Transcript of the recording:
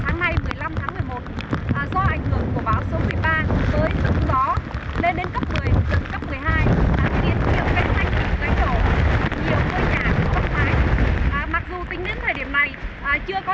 khiến nhiều cây xanh bị đánh đổ nhiều cơ nhà bị bốc mái mặc dù tính đến thời điểm này chưa có